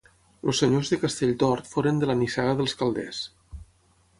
Els senyors de Castelltort foren de la nissaga dels Calders.